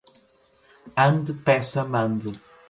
Ande, peça, mande.